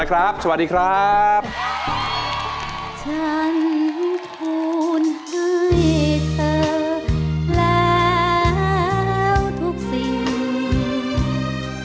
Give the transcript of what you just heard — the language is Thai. ดูเขาเล็ดดมชมเล่นด้วยใจเปิดเลิศ